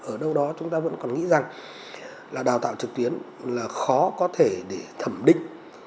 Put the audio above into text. ở đâu đó chúng ta vẫn còn nghĩ rằng là đào tạo trực tuyến là khó có thể để thẩm định